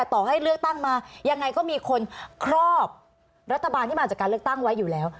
ต่อให้เลือกตั้งมายังไงก็มีคนครอบรัฐบาลที่มาจากการเลือกตั้งไว้อยู่แล้ว